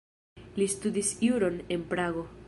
Li studis juron en Prago.